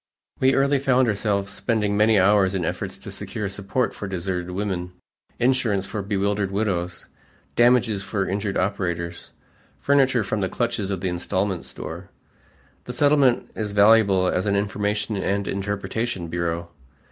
We early found ourselves spending many hours in efforts to secure support for deserted women, insurance for bewildered widows, damages for injured operators, furniture from the clutches of the installment store. The Settlement is valuable as an information and interpretation bureau.